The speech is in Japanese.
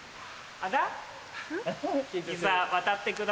あら？